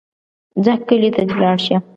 ځه کلي ته دې لاړ شه.